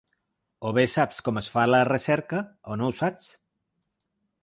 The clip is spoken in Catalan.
O bé saps com es fa la recerca o no ho saps.